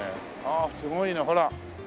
あすごいねほら。